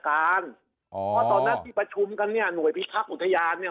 เพราะตอนนั้นที่ประชุมกันเนี่ยหน่วยพิทักษ์อุทยานเนี่ย